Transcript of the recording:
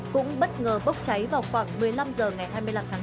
cũng bất ngờ bốc cháy vào khoảng một mươi năm h ngày hai mươi năm tháng tám